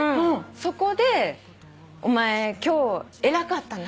そこで「お前今日偉かったな」